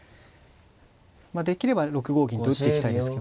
できれば６五銀と打っていきたいですけどね。